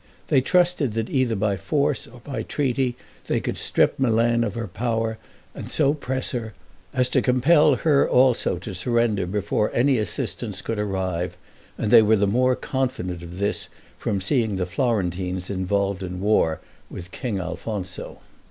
They trusted that either by force or by treaty they could strip Milan of her power; and then so press her, as to compel her also to surrender before any assistance could arrive; and they were the more confident of this from seeing the Florentines involved in war with King Alfonso.